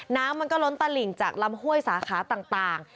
น้ำมันก็ล้นตลิ่งจากลำห้วยสาขาต่าง